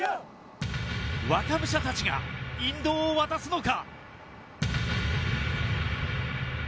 若武者たちが引導を渡すのか？